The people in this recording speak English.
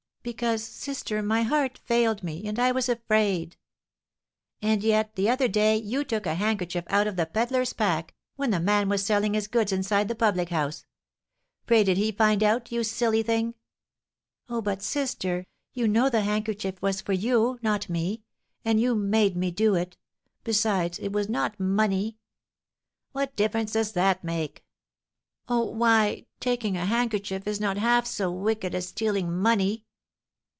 "Because, sister, my heart failed me, and I was afraid." "And yet, the other day, you took a handkerchief out of the peddler's pack, when the man was selling his goods inside the public house. Pray did he find it out, you silly thing?" "Oh, but, sister, you know the handkerchief was for you, not me; and you made me do it. Besides, it was not money." "What difference does that make?" "Oh, why, taking a handkerchief is not half so wicked as stealing money!"